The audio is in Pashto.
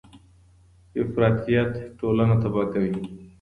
افراطیت ټولنه تباه کوي.